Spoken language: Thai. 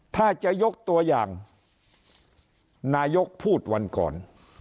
ถ้าจะยกตัวอย่างนายกพูดวันก่อน